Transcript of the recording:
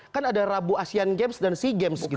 kan ada rabu asean games dan sea games gitu